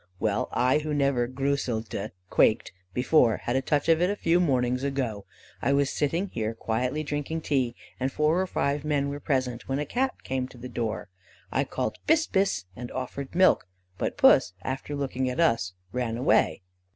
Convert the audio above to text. Well, I who never 'gruselte' (quaked) before, had a touch of it a few mornings ago. I was sitting here quietly drinking tea, and four or five men were present, when a Cat came to the door. I called 'bis! bis!' and offered milk; but puss, after looking at us, ran away.